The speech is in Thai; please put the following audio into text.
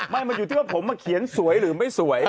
มันอยู่ที่ว่าผมมาเขียนสวยหรือไม่สวย